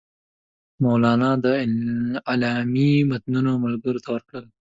مولنا د اعلامیې متنونه ملګرو ته ورکړل.